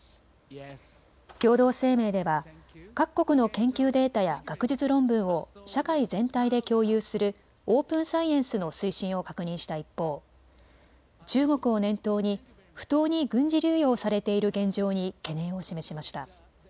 共同声明では各国の研究データや学術論文を社会全体で共有するオープン・サイエンスの推進を確認した一方、中国を念頭に不当に軍事流用されている現状に懸念を示しました。